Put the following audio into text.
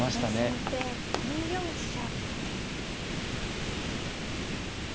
先手２四飛車。